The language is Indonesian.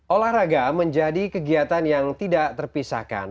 olahraga menjadi kegiatan yang tidak terpisahkan